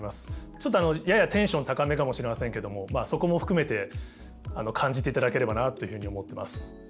ちょっとややテンション高めかもしれませんけどもそこも含めて感じていただければなというふうに思ってます。